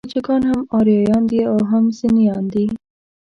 تاجکان هم آریایان دي او هم سنيان دي.